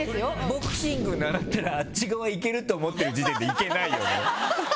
ボクシング習ったらあっち側に行けるって思ってる時点でいけないよね。